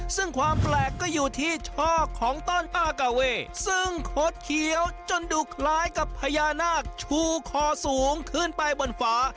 ซึ่งความแปลกก็อยู่ที่ช่อของต้นอากาเวซึ่งคดเขียวจนดูคล้ายกับพญานาคชูคอสูงขึ้นไปบนฟ้า